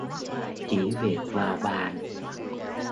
Chỉ việc vào bàn